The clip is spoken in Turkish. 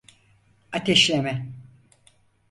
Ateşleme.